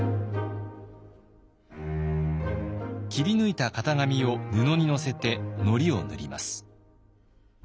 切り抜いた型紙を布に載せてのりを塗ります。